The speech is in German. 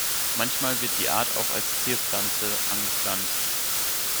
Manchmal wird die Art auch als Zierpflanze angepflanzt.